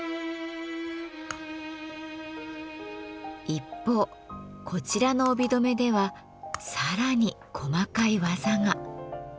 一方こちらの帯留めでは更に細かい技が。